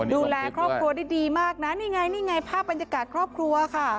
ดูแลครอบครัวได้ดีมากนะนี่ไงนี่ไงภาพบรรยากาศครอบครัวค่ะ